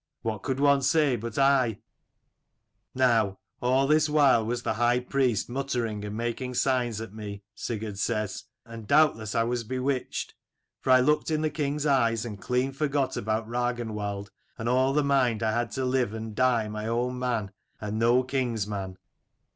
' "What could one say but Aye ?" Now, all this while was the high priest muttering and making signs at me, Sigurd says : and doubtless I was bewitched. For I looked in the king's eyes and clean forgot about Ragnwald, and all the mind I had to live and die my own man, and no king's man.